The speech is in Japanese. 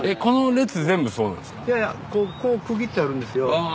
いやいやここを区切ってあるんですよ。